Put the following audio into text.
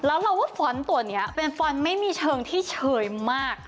แล้วเราว่าฟ้อนต์ตัวนี้เป็นฟ้อนไม่มีเชิงที่เชยมาก